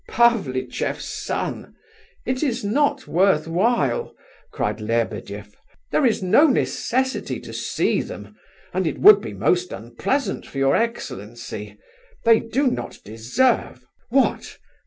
"Pavlicheff's son! It is not worth while!" cried Lebedeff. "There is no necessity to see them, and it would be most unpleasant for your excellency. They do not deserve..." "What?